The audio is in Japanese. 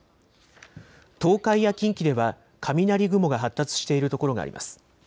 東海や近畿では雷雲が発達している所があります。